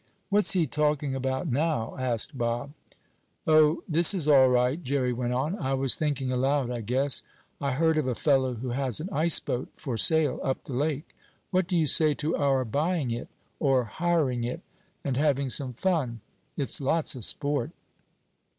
"What's he talking about now?" asked Bob. "Oh, this is all right," Jerry went on. "I was thinking aloud, I guess. I heard of a fellow who has an ice boat for sale up the lake. What do you say to our buying it, or hiring it, and having some fun? It's lots of sport."